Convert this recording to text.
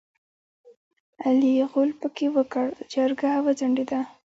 علي غول پکې وکړ؛ جرګه وځنډېده.